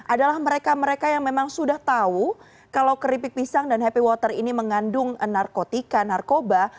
adalah mereka mereka yang memang sudah tahu kalau keripik pisang dan happy water ini mengandung narkotika narkoba